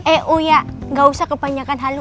eh uya gausah kebanyakan halu